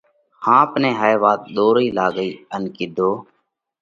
ۿاپ نئہ هائي وات ۮورئي لاڳئِي ان ڪِيڌو: